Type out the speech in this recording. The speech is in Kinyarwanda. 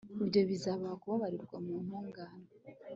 ibyo bizabaha kubarirwa mu ntungane